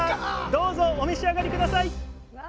どうぞお召し上がり下さい！